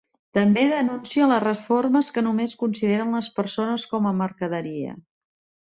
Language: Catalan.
També denuncia les reformes que només consideren les persones com a mercaderia.